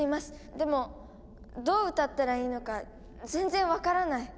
でもどう歌ったらいいのか全然分からない。